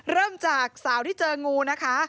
เริ่มจากสาวที่เจองูนะคะ